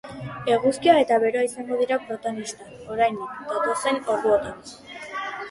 Eguzkia eta beroa izango dira protanista, oraindik, datozen orduotan.